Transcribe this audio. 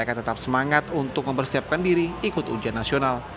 mereka tetap semangat untuk mempersiapkan diri ikut ujian nasional